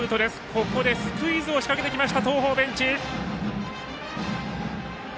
ここでスクイズを仕掛けていきました東邦ベンチ。